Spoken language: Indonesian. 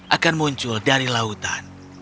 akan muncul dari lautan